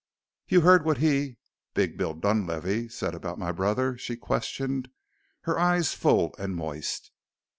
"You heard what he Big Bill Dunlavey said about my brother?" she questioned, her eyes full and moist.